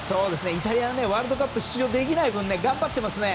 イタリアはワールドカップに出場できない分頑張ってますね。